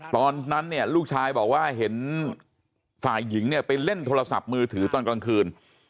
ตอนนั้นเนี่ยลูกชายบอกว่าเห็นฝ่ายหญิงเนี่ยไปเล่นโทรศัพท์มือถือตอนกลางคืน